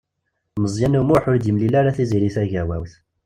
Meẓyan U Muḥ ur d-yemli ara Tiziri Tagawawt.